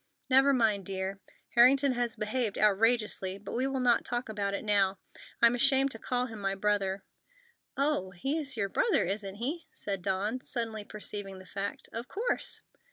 "Never mind, dear. Harrington has behaved outrageously, but we will not talk about it now. I'm ashamed to call him my brother." "Oh! He is your brother, isn't he?" said Dawn, suddenly perceiving the fact. "Of course!"